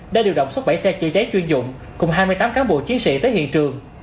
đã điều động suốt bảy xe chữa cháy chuyên dụng cùng hai mươi tám cán bộ chiến sĩ tới hiện trường